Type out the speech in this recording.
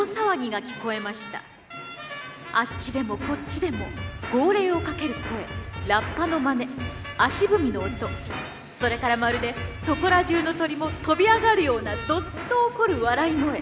あっちでもこっちでも号令をかける声ラッパのまね足踏みの音それからまるでそこら中の鳥も飛びあがるようなどっと起こる笑い声